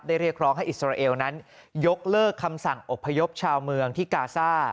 เรียกร้องให้อิสราเอลนั้นยกเลิกคำสั่งอบพยพชาวเมืองที่กาซ่า